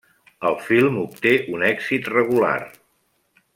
El film obté un èxit regular.